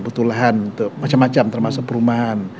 butuh lahan untuk macam macam termasuk perumahan